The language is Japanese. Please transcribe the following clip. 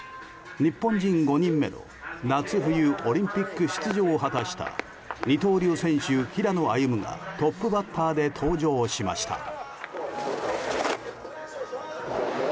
日本人５人目の夏冬オリンピック出場を果たした二刀流選手、平野歩夢がトップバッターで登場しました。